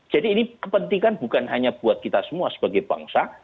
jadi ini kepentingan bukan hanya buat kita semua sebagai bangsa